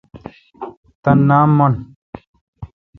تان نام من۔